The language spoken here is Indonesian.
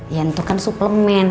ya itu kan suplemen